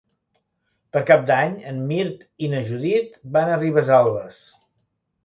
Per Cap d'Any en Mirt i na Judit van a Ribesalbes.